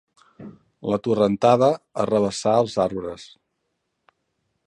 La torrentada arrabassà els arbres.